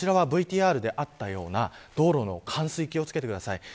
こちらはＶＴＲであったような道路の冠水に気を付けてください。